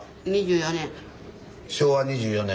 昭和２４年。